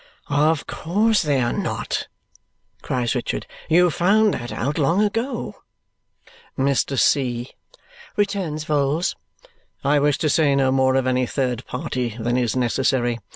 "Of course they are not!" cries Richard. "You found that out long ago." "Mr. C.," returns Vholes, "I wish to say no more of any third party than is necessary.